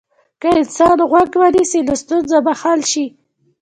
که انسان غوږ ونیسي، نو ستونزه به حل شي.